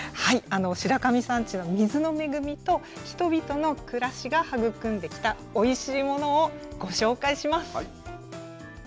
白神山地の水の恵みと人々の暮らしが育んできた、おいしいものをご紹介します。